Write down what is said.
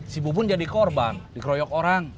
si ipupun jadi korban diweronan orang